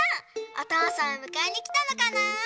おとうさんをむかえにきたのかな？